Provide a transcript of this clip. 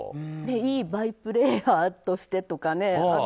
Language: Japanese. いいバイプレーヤーとしてとかね。